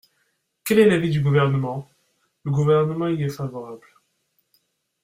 Quel est l’avis du Gouvernement ? Le Gouvernement y est favorable.